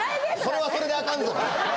それはそれでアカンぞ。